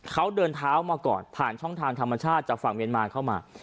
เขาเดินเท้ามาก่อนผ่านช่องทางธรรมชาติจากฝั่งเมียนมาเข้ามา